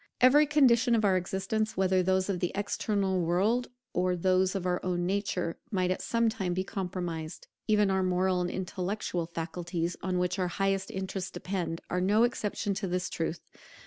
Every condition of our existence, whether those of the external world or those of our own nature, might at some time be compromised. Even our moral and intellectual faculties, on which our highest interests depend, are no exception to this truth.